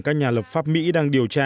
các nhà lập pháp mỹ đang điều tra